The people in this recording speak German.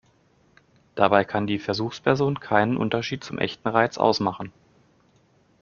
Dabei kann die Versuchsperson keinen Unterschied zum echten Reiz ausmachen.